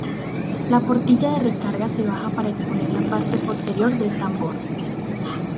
La portilla de recarga se baja para exponer la parte posterior del tambor.